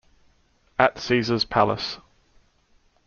At Caesar's Palace".